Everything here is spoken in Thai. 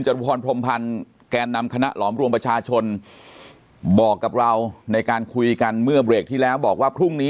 รุพรพรมพันธ์แกนนำคณะหลอมรวมประชาชนบอกกับเราในการคุยกันเมื่อเบรกที่แล้วบอกว่าพรุ่งนี้